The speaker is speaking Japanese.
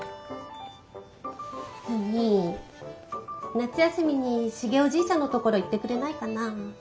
夏休みにシゲおじいちゃんのところ行ってくれないかなあ。